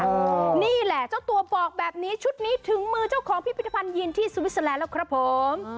นี่แหละเจ้าตัวบอกแบบนี้ชุดนี้ถึงมือเจ้าของพิพิธภัณฑ์ยินที่สวิสเตอร์แลนด์แล้วครับผม